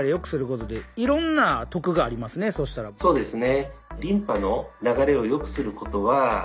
そうですね。